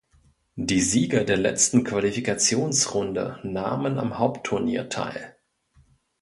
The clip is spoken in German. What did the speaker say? Die Sieger der letzten Qualifikationsrunde nahmen am Hauptturnier teil.